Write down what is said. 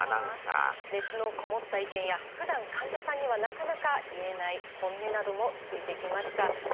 熱のこもった意見やふだん患者さんにはなかなか言えない本音なども聞いてきました。